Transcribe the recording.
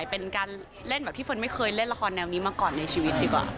เป็นการเล่นแบบที่เฟิร์นไม่เคยเล่นละครแนวนี้มาก่อนในชีวิตดีกว่า